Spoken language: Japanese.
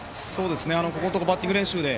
ここのところバッティング練習で